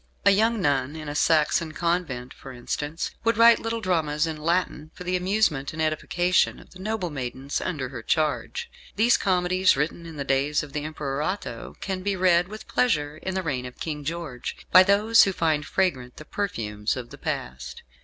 A young nun in a Saxon convent, for instance, would write little dramas in Latin for the amusement and edification of the noble maidens under her charge. These comedies, written in the days of the Emperor Otho, can be read with pleasure in the reign of King George, by those who find fragrant the perfumes of the past.